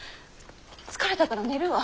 疲れたから寝るわ。